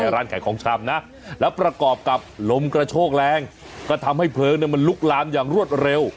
ร้านขายของชำนะแล้วประกอบกับลมกระโชกแรงก็ทำให้เพลิงมันลุกลามอย่างรวดเร็ว